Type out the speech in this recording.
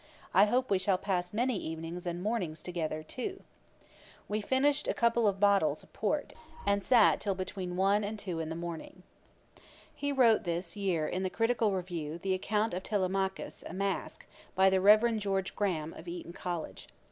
I hope we shall pass many evenings and mornings too, together.' We finished a couple of bottles of port, and sat till between one and two in the morning. [Page 411: Oliver Goldsmith. Ætat 54.] He wrote this year in the Critical Review the account of 'Telemachus, a Mask,' by the Reverend George Graham, of Eton College.